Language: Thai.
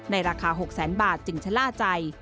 ในราคา๖๐๐บาทจึงชะล่าใจ